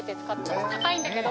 高いんだけど。